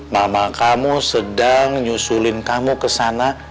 mama kamu sedang nyusulin kamu kesana